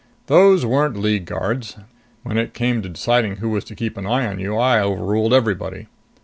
"Those weren't League guards. When it came to deciding who was to keep an eye on you, I overruled everybody."